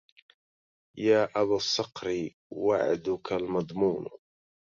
يا أبا الصقر وعدك المضمون